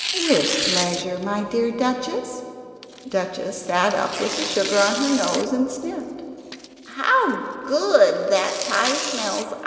"With pleasure, my dear Duchess." Duchess sat up with the sugar on her nose and sniffed "How good that pie smells!